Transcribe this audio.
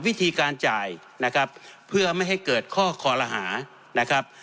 วิธีการจ่ายนะครับเพื่อไม่ให้เกิดข้อคอลหานะครับ